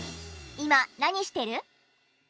今何してる？